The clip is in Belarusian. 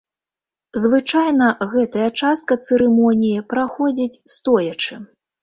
Звычайна гэтая частка цырымоніі праходзіць стоячы.